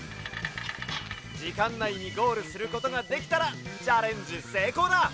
じかんないにゴールすることができたらチャレンジせいこうだ！